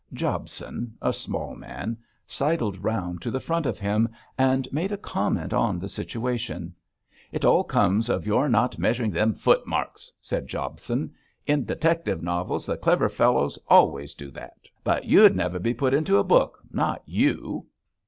Jobson a small man sidled round to the front of him and made a comment on the situation. 'It all comes of your not measuring them footmarks,' said Jobson. 'In detective novels the clever fellows always do that, but you'd never be put into a book, not you!'